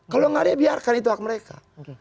kalau gak ada biarkan itu hak mereka